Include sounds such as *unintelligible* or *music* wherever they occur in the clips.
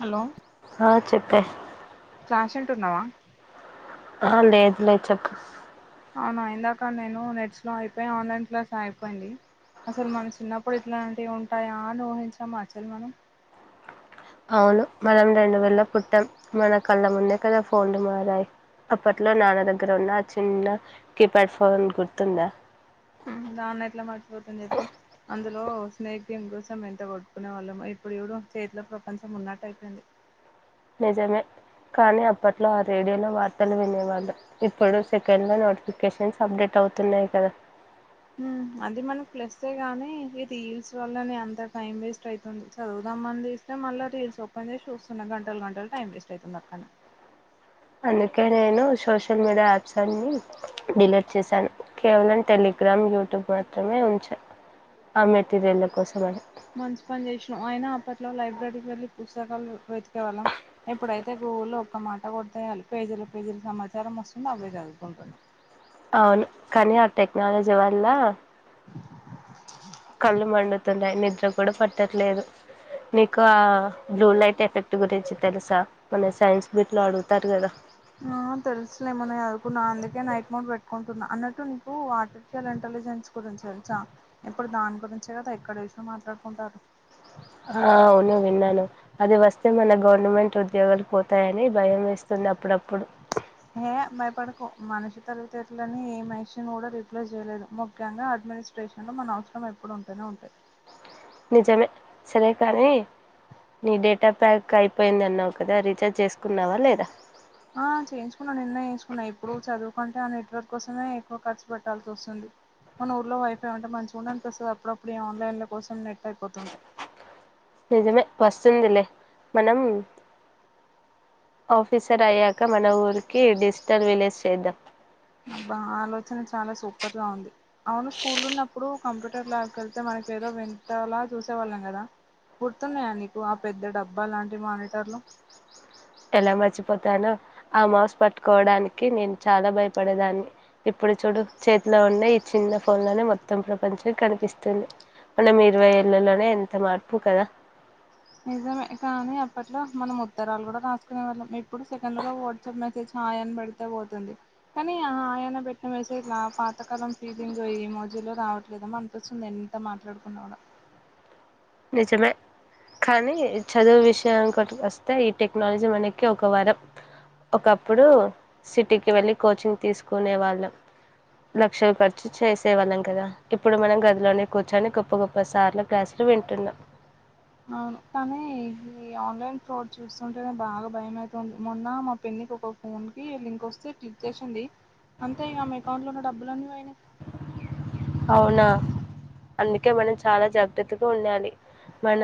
Hello ఆ చెప్పే clash అంటు ఉన్నావా ఆ లేదు లేదు చెప్పు అవును ఇందాక నేను నెట్స్ లో అయిపోయి ఆన్లైన్ క్లాస్ అయిపోయింది అసలు మన చిన్నప్పుడు ఇట్లాంటివి ఉంటాయా అని ఊహించాము అస్సలు మనం అవును మనం రెండు వేల పుట్టాం మన కళ్ళ ముందే కదా ఫోన్లు మారాయి అప్పట్లో నాన్న దగ్గర ఉన్న ఆ చిన్న కీప్యాడ్ ఫోన్ గుర్తుందా దాన్న ఎట్లా మట్చిపోతుంది చెప్పు అందులో స్నేక్ గేమ్ కోసం ఎంత కొట్టుకునే వాళ్ళము ఇప్పుడు ఇప్పుడు చేతిలో ప్రపంచం ఉన్నట్టు అయిపోయింది నిజమే కానీ అప్పట్లో ఆ రేడియోలో వార్తలు వినేవాళ్ళు ఇప్పుడు సెకండ్లో నోటిఫికేషన్స్ అప్డేట్ అవుతున్నాయి కదా అది మనం ప్లస్ ఏ గాని ఈ రీల్స్ వల్ల న అంత టైం వేస్ట్ అవుతుంది చదువుదామ అని చస్తే మళ్ళా రీల్స్ ఓపెన్ చేసి చూస్తున్నా గంటలు గంటలు టైం వేస్ట్ అవుతుంది అక్కడనే అందుకే నేను సోషల్ మీడియా యాప్స్ అన్ని డిలీట్ చేశాను కేవలం టెలిగ్రామ్ యూట్యూబ్ మాత్రమే ఉంచ ఆ మెటీరియల్ కోసం అని మంచి పని చేసినాం ఆయన అప్పట్లో లైబ్రరీకి వెళ్ళి పుస్తకాలు వెతికేవాళ్ళం ఎప్పుడైతే గూగుల్లో ఒక్క మాట కొడితే చాలు పేజీల పేజీలు సమాచారం వస్తుంది అవే చదువుకుంటున్న అవును కాని ఆ టెక్నాలజీ వల్ కళ్ళు మండుతున్నాయి నిద్ర కూడా పట్టట్లేదు నీకు ఆ బ్లూ లైట్ ఎఫెక్ట్ గురించి తెలుసా మన సైన్స్ మీట్ లో అడుగుతారు కదా ఆ తెలుసులే మొన్న చదువుకున్నా అందుకే నైట్ మోడ్ పెట్టుకుంటున్నా అన్నట్టు నీకు ఆర్టిఫిషియల్ ఇంటలిజెన్స్ గురించి తెలుసా ఇప్పుడు దాని గురించే కదా ఎక్కడ చూసిన మాట్లాడుకుంటారు ఆవును విన్నాను అది వస్తే మన గవర్నమెంట్ ఉద్యోగాలు పోతాయని భయం వేస్తుంది అప్పుడప్పుడు ఏ భయపడకో మనిషి తెలివితేటలని ఏ మెషిన్ కూడా రిప్లేస్ చేయలేదు ముఖ్యంగా అడ్మినిస్ట్రేషన్ లో మన అవసరం ఎప్పుడు ఉంటేనే ఉంటాయి నిజమే సరే కానీ నీ డేటా ప్యాక్ అయిపోయింది అన్నావు కదా రీఛార్జ్ చేసుకున్నావా లేదా ఆ చేయించుకున్నా నిన్న చేయించుకున్నా ఇప్పుడు చదువుకుంటే ఆ నెట్వర్క్ కోసమే ఎక్కువ ఖర్చు పెట్టాల్సి వస్తుంది మన ఊర్లో వైఫై అంటే మంచిగా ఉండడానికిపిస్తుంది అప్పుడప్పుడు ఈ ఆన్లైన్ల కోసం నెట్ అయిపోతుంటే నిజమే వస్తుందిలే మనం ఆఫీసర్ అయ్యాక మన ఊరికి డిజిటల్ విలేజ్ చేద్దాం అబ్బ ఆలోచన చాలా సూపర్ గా ఉంది అవును స్కూల్లో ఉన్నప్పుడు కంప్యూటర్ ల్యాబ్కి వెళ్తే మనక ఏదో వింతల చూసేవాళ్ళం కదా గుర్తున్నాయా నీకు ఆ పెద్ద డబ్బా లాంటి మానిటర్లు ఎలా మర్చిపోతానో ఆ మౌస్ పట్టుకోవడానికి నేను చాలా భయపడేదాన్ని ఇప్పుడు చూడు చేతిలో ఉన్న ఈ చిన్న ఫోన్లోనే మొత్తం ప్రపంచం కనిపిస్తుంది మనం ఇరవై ఏళ్ళలోనే ఎంత మార్పు కదా నిజమే కానీ అప్పట్లో మనం ఉత్తరాలు కూడా రాసుకునే వాళ్ళం ఇప్పుడు సెకండ్లలో వాట్సాప్ మెసేజ్ హాయ్ అని పెడితే పోతుంది కానీ ఆ హాయ్ అని పెట్టిన మెసేజ్లు పాతకాలం ఫీలింగ్ ఈ మోజీలు రావట్లేదమో అనిపిస్తుంది ఎంత మాట్లాడుకున్నా కూడా నిజమే కానీ చదువు విషయం వస్తే ఈ టెక్నాలజీ మనకి ఒక వారం ఒకప్పుడు సిటీకి వెళ్ళి కోచింగ్ తీసుకునే వాళ్ళం లక్షలు ఖర్చు చేసేవాళ్ళం కదా ఇప్పుడు మనం గదిలోనే కూర్చొని గొప్ప గొప్ప సార్ల క్లాసులు వింట న్నా అవును కానీ ఈ ఆన్లైన్ ఫ్రాడ్ చూస్తుంటే బాగా భయమవుతుంది మొన్న మా పెన్నికి ఒక ఫోన్కి లింక్ వస్తే క్లిక్ చేసడి అంతే ఇక ఆమె అకౌంట్లో ఉన్న డబ్బులన్నీ పోయినాయి అవునా అందుకే మనం చాలా జాగ్రత్తగా ఉండాలి మన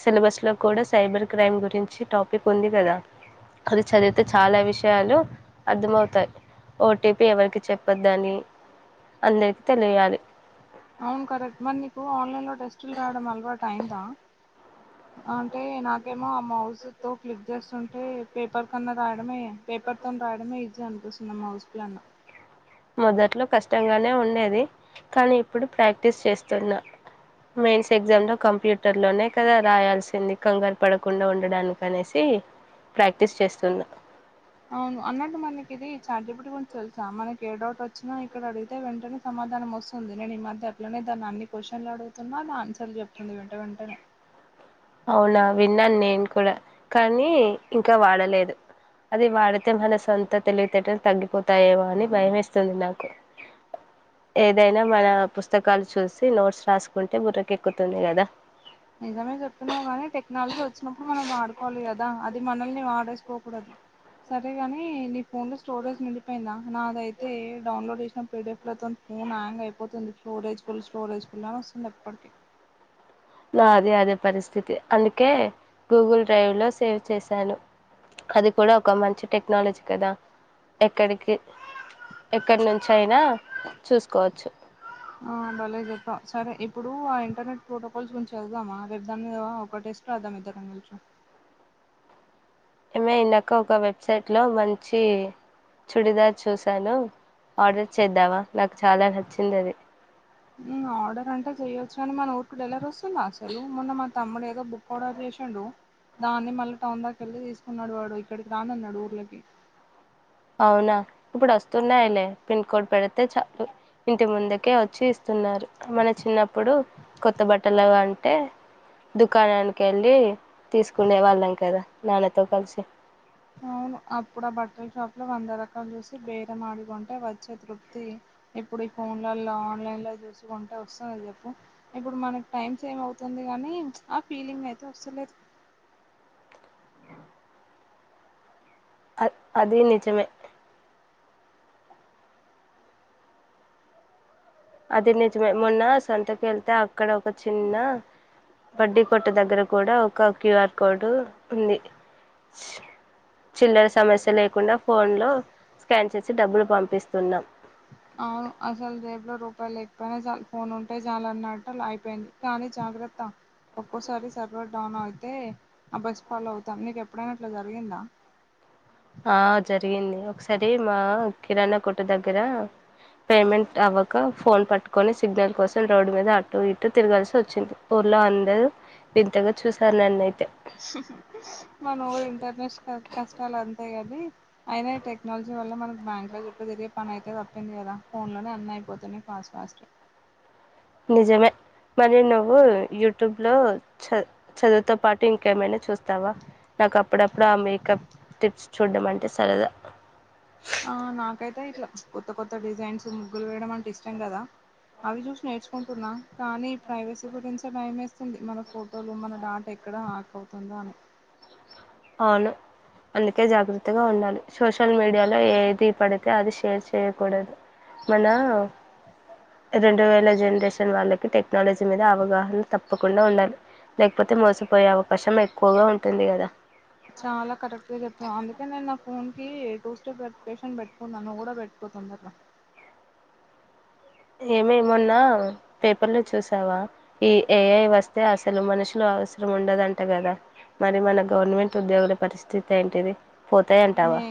సిలబస్ లో కూడా సైబర్ క్రైమ్ గురించి టాపిక్ ఉంది కదా అది చదివితే చాలా విషయాలు అర్థమవుతాయి ఓటీపీ ఎవరికి చెప్పద్ద అని అందరి తెలియాలి అవును కరెక్ట్ మరి నీకు ఆన్లైన్ లో టెస్టులు రాయడం అలవాటయిందా అంటే నాకేమో ఆ మౌజ్ తో క్లిక్ చేస్తుంటే పేపర్ కన్నా రాయడమే పేపర్తో రాయడమే ఈజీ అనిపిస్తుంది మౌస్ కన్నా మొదట్లో కష్టంగానే ఉండేది కానీ ఇప్పుడు ప్రాక్టీస్ చేస్తున్నా మెయిన్స్ ఎగ్జామ్లో కంప్యూటర్లోనే కదా రాయాల్సింది కంగారు పడకుండా ఉండడానికనేసి ప్రాక్టీస్ చేస్తున్నా అవును అన్నట్టు మనకి ఇది చాట్ జిపిటి గురించి తెలుసా మనకి ఏ డౌట్ వచ్చినా ఇక్కడ అడిగితే వెంటనే సమాధానం వస్తుంది నేను ఈ మధ్య అట్లనే దాన్ని అన్ని క్వశ్చన్లు అడుగుతున్నా అది ఆన్సర్లు చెప్తుంది వెంట వెంటనే అవునా విన్నాను నేను కూడా కానీ ఇంకా వాడలేదు అది వాడితే మన సొంత తెలివితేటలు తగ్గిపోతాయేమో అని భయేస్తుంది నాకు ఏదైనా మన పుస్తకాలు చూసి నోట్స్ రాసుకుంటే బుర్రకెక్కుతుంది కదా అను కానీ టెక్నాలజీ వచ్చినప్పుడు మనం వాడుకోవాలి కదా అది మనల్ని వాడేసుకోకూడదు సరేగానీ నీ ఫోన్లో స్టోరేజ్ నిండిపోయిందా నాదైతే డౌన్లోడ్ చేసిన పిడిఎఫ్ ల తోని ఫోన్ హ్యాంగ్ అయిపోతుంది స్టోరేజ్ ఫుల్ స్టోరేజ్ ఫుల్ అని వస్తుంది ఎప్పటికీ నాది అదే పరిస్థితి అందుకే గూగుల్ డ్రైవ్ లో సేవ్ చేశాను అది కూడా ఒక మంచి టెక్నాలజీ కదా ఎక్కడికి ఎక్కడి నుంచి అయినా చూసుకోవచ్చు ఆ భలే చెప్పాం సరే ఇప్పుడు ఆ ఇంటర్నెట్ ప్రోటోకాల్స్ గురించి చదుదామా రేపు దాని మీద ఒక టెస్ట్ రాద్దాం ఇద్దరం కలుచ ఏమ ఇందాక ఒక వెబ్సైట్లో మంచి చుడిదార్ చూసాను ఆర్డర్ చేద్దామా నాకు చాలా నచ్చింది అది ఆర్డర్ అంటే చెయొచ్చు కానీ మన ఊరికి డెలివర వ వస్తుందా అసలు తమ్ముడు ఏదో బుక్ ఆర్డర్ చేశాడు దాన్ని మళ్ళీ టౌన్ దాక వెళ్ళి తీసుకున్నాడు వాడు ఇక్కడికి రానన్నాడు ఊర్ళకి అవునా ఇప్పుడు వస్తున్నాయిలే పిన్ కోడ్ పెడితే చాలు ఇంటి ముందుకే వచ్చి ఇస్తున్నారు మన చిన్నప్పుడు కొత్త బట్టలు అంటే దుకాణానికి వెళ్ళి తీసుకునే వాళ్ళం కదా నాన్నతో కలిసి వు అప్పుడు ఆ బట్టర్ షాప్ లో వంద రకాలు చూసి బేరం ఆడుకుంటే వచ్చే తృప్తి ఇప్పుడు ఈ ఫోన్లలో ఆన్లైన్ లో చూసుకుంటే వస్తుంది చెప్పు ఇప్పుడు మనకి టైమ్ సేమ్ అవుతుంది కానీ ఆ ఫీలింగ్ అయితే వస్తలేదు అ అది నిజమే అది నిజమే మొన్న సంతకు వెళ్తే అక్కడ ఒక చిన్న బడ్డీ కొట్టు దగ్గర కూడా ఒక క్యూఆర్ కోడ్ ఉంది చిల్లర సమస్య లేకుండా ఫోన్ లో స్కాన్ చేసి డబ్బులు పంపిస్తున్నాం అవును అసలు రేపులో రూపాయలు లేకపోయినా ఫోన్ ఉంటే చాలన్నట్లు అయిపోయింది కానీ జాగ్రత్త ఒక్కోసారి సర్వర్ డౌన్ అయితే ఆ బస్ ఫలో అవుతాం నీక ఎప్పుడైనా అట్లా జరిగిందా ఆ జరిగింది ఒకసారి మా కిరాణా కుట దగ్గర పేమెంట్ అవ్వక ఫోన్ పట్టుకొని సిగ్నల్ కోసం రోడ్డు మీద అటటు ఇటు తిరగాల్సి వచ్చింది ఊర్లో అందరుూ వింతగా చూసారు నన్ను అయితే మన ఇంటర్నేషనల్ కష్టాలు అంత స అది అయినా టెక్నాలజీ వల్ల మనకి బ్యాంక్ లో చుట్టూ తిరిగే పని అయితే తప్పింది కదా ఫోన్ లోనే అన్న అయిపోతున్నాయి ఫాస్ట్ ఫాస్ట్ నిజమే మరి నువ్వు యూట్యూబ్లో చ చదువుతో పాటు ఇంకేమైనా చూస్తావా నాకు అప్పుడప్పుడు ఆ మేకప్ టిప్స్ చూడడం అంటే సరదా ఆ నాకైతే ఇట్లా కొత్త కొత్త డిజైన్స్ ముగ్గులు వేయడం అంటే ఇష్టం కదా అవి చూసి నేర్చుకుంటున్నా కానీ ప్రైవసీ గురించి భయం ఏస్తోంది మన ఫొటోలు మన డాటా ఎక్కడ హ్యాక్ అవుతుందో అని అవును అందుకే జాగ్రత్తగా ఉండాలి సోషల్ మీడియాలో ఏది పడితే అది షేర్ చేయకూడదు మన రెండు వేల జనరేషన్ వాళ్ళకి టెక్నాలజీ మీద అవగాహన తప్పకుండా ఉండాలి లేకపోతే మోసపోయే అవకాశం ఎక్కువగా ఉంటుంది కదా చాలా కరెక్ట్ గా చెప్పావు అందుకే నేను నా ఫోన్ కి టూ స్టెప్ వెరిఫికేషన్ పెట్టుకున్నా నువ్వు కూడా పెట్టుకో తొందరగా ఏమేమన్నా పేపర్లు చూసావా ఈ ఏఐ వస్తే అసలు మనుషులు అవసరం ఉండదంట కదా మరి మన గవర్నమెంట్ ఉద్యోగుల పరిస్థితి ఏంటిది న పోతాయంటావా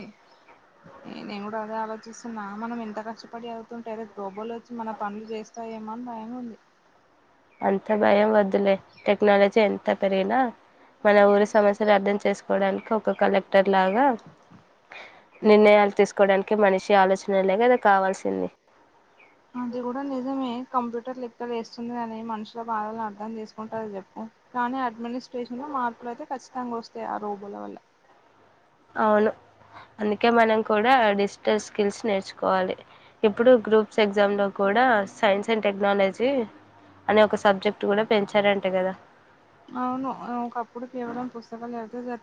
న నే కూడా అదే అలో చూస్తున్నా మనం ఎంత కష్టపడి అవుతుంటే గబోలు వచ్చి మన పనులు చేస్తాయేమో అని భయంగా ఉంది అంత భయం వద్దులే టెక్నాలజీ ఎంత పెరిగినా మన ఊరి సమస్యలు అర్థం చేసుకోవడానికి ఒక కలెక్టర్ లాగా నిర్ణయాలు తీసుకోడానికి మనిషి ఆలోచన లేగా అది కావాల్సింది అది కూడా నిజమే కంప్యూటర్ టర్ లిక్కర్ వేస్తుంది అని మనుషుల బాధలను అర్థం చేసుకుంటారు చెప్పు కానీ అడ్మినిస్ట్రేషన్ లో మార్పులు అయితే ఖచ్చితంగా వస్తాయి ఆ రోబుల వల్ల అవును అందుకే మనం కూడా డిజిటల్ స్కిల్స్ నేర్చుకోవాలి ఇప్పుడు గ్రూప్స్ ఎగ్జామ్లో కూడా సైన్స్ అండ్ టెక్నాలజీ అనే ఒక సబ్జెక్ట్ కూడా పెంచారంట కదా అవును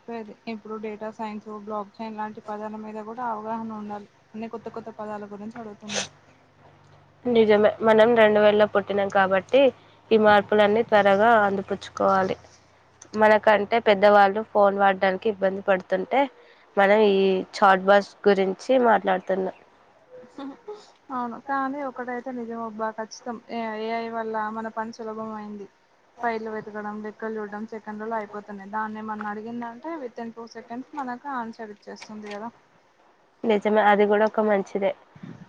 ది ఇప్పుడు డేటా సైన్స్ బ్లాక్ సైన్ లాంటి పదాల మీద కూడా అవగాహన ఉండాలి అన్ని కొత్త కొత్త పదాల గురించి అడుగుతున్నారు నిజమే మనం రెండు వేల్లో పుట్టినాం కాబట్టి ఈ మార్పులన్నీ త్వరగా అందిపుచ్చుకోవాలి మనకంటే పెద్దవాళ్ళు ఫోన్ వాడడానికి ఇబ్బంది పడుతుంటే మనం ఈ చాట్ బాస్ గురించి మాట్లాడుతున్నాం అవును కానీ ఒకటైతే నిజమబ్బా కఖచ్చితం ఏ ఏఐ వల్ల మన పని సులభం అయింది పైల వెతకడం *unintelligible* అయిపోతుయి దా అడిగిందంటే వితిన్ టూ సెకండ్స్ మనకు ఆన్సర్ ఇచ్చేస్తుంది కదా నిజమే అది కూడా ఒక మంచి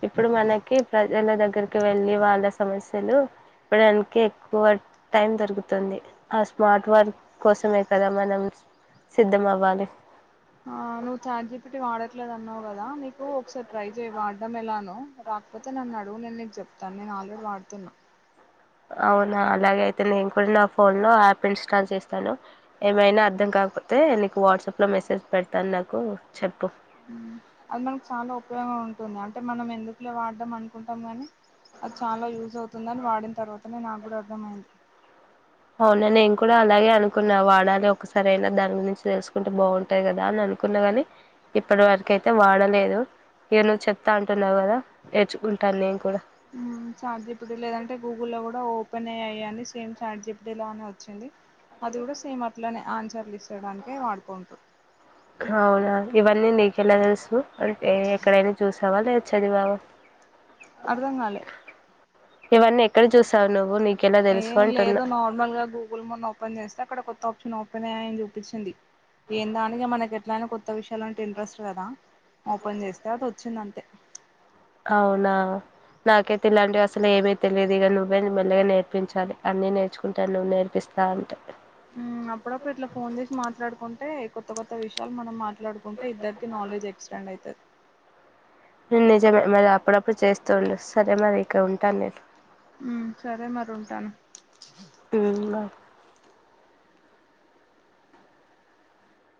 ఇప్పుడు మనకి ప్రజల దగ్గర దగ్గరికి వెళ్ళి వాళ్ళ సమస్యలు ఇవ్వడానికి ఎక్కువ టైం దొరుకుతుంది ఆ స్మార్ట్ వర్క్ కోసమే కదా మనం సిద్ధం అవ్వాలి ఆ నువ్వు చాట్ జీ పి టీ వడ ట్లేదు అన్నావు కదా నీకు ఒకసారి ట్రై చేయి వాడటం ఎలానో రాకపోతే నన్ను అడుగు నేను నీకు చెప్తాను నేను ఆల్రెడీ వాడుతున్నా అవునా అలాగే అయితే నేను కూడా నా ఫోన్ లో యాప్ ఇన్స్టాల్ చేస్తాను ఏమైనా అర్థం కాకపోతే నీకు వాట్సాప్ లో మెసేజ్ పెడతాను నాకు చెప్పు హ్మ్ అందరం చాలా ఉపయోగం ఉంటుంది అంటే మనం ఎందుకులే వాడదాం అనుకుంటాం కానీ అది చాలా యూజ్ అవుతుంది. అని వాడిన తర్వాతనే నాకు కూడా అర్థమయింది. అవునా నేను కూడా అలాగే అనుకున్నా వాడాలి ఒకసారి అయినా దాని గురించి తెలుసుకుంటే బాగుంటది కదా అని అనుకున్నా గాని, ఇప్పటి వరకు అయితే వాడలేదు. ఇక నువ్ చెప్తా అంటున్నావ్ కదా నేర్చుకుంటాను నేను కూడా ఉపన్య అయని సేమ్ చాటజీప్పుడేలా అనే వచ్చింది. అది కూడా సేమ్ అట్లనే ఆన్సర్లు ఇచ్చేడానికే వాడుకుంటారు. అవునా ఇవన్నీ నీకెలా సవా లేద్ చదివావ అర్థం కాలే ఇవన్నీ ఎక్కడ చూసావు నువ్వు నీ ఏ లేదు నార్మల్ గా గూగుల్ మొన్న ఓపెన్ చేస్తే అక్కడ కొత్త నొకనే అని చూపించింది ఎందా అని ఇగ మనకె ఎట్లా అని కొత్త విషయాలంటే ఇంట్రెస్ట్ కదా ఓపన్ చేస్తే అద్ త్ వచ్చింది అంతే అవునా నాకైతే ఇలాంటివి అసలు ఏమీ తెలియదు. ఇగ నువ్వే మెల్లగా నేర్పించాలి అన్నీ నేర్చుకుంటా నువ్వు నేర్పిస్తా అంటే. హ్మ్ అప్పుడప్పుడు ఇట్లా ఫోన్ చేసి మాట్లాడుకున్ టే కొత్త కొత్త విషయాలు మనం మాట్ మాట్లాడుకుంటే ఇద్దరికి నాలెడ్జ్ ఎక్స్పాండ్ అయితది. నేన్ నిజమే మరి అప్పుడప్పుడు చేస్తూండు సరే మరి ఇక ఉంటాను నేను. హు సరే మరి ఉంటాను ఉమ్ బాయ్